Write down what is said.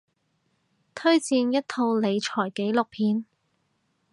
推薦一套理財紀錄片